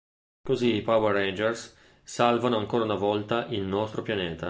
Così i Power Rangers salvano ancora una volta il nostro pianeta.